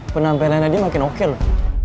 penampilannya dia makin oke loh